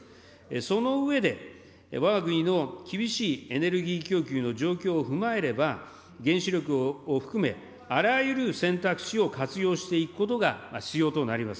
その上で、わが国の厳しいエネルギー供給の状況を踏まえれば、原子力を含め、あらゆる選択肢を活用していくことが必要となります。